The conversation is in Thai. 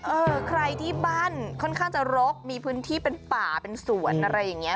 เออใครที่บ้านค่อนข้างจะรกมีพื้นที่เป็นป่าเป็นสวนอะไรอย่างนี้